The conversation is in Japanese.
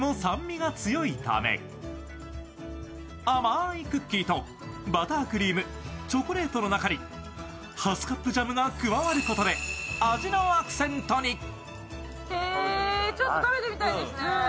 甘いクッキーとバタークリームチョコレートの中にハスカップジャムが加わることで味のアクセントに。